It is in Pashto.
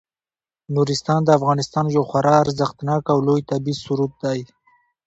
نورستان د افغانستان یو خورا ارزښتناک او لوی طبعي ثروت دی.